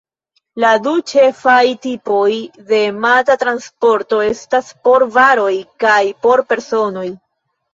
La du ĉefaj tipoj de mata transporto estas por varoj kaj por personoj.